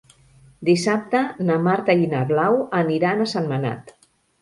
Dissabte na Marta i na Blau aniran a Sentmenat.